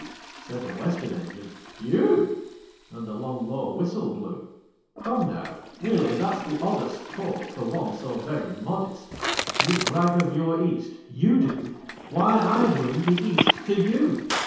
Said the Western Engine, "Phew!" And a long, low whistle blew. "Come, now, really that's the oddest Talk for one so very modest. You brag of your East! YOU do? Why, I bring the East to YOU!